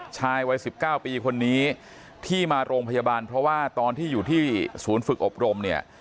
ชายวัย๑๙ปีคนนี้ที่มาโรงพยาบาลเพราะว่าตอนที่อยู่ที่ศูนย์ฝึกอบรมเนี่ย